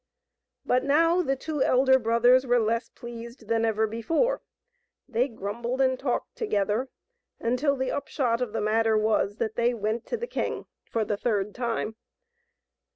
But now the two elder brothers were less pleased than ever before ; they grumbled and talked together until the upshot of the matter was that they went to the king for the third time.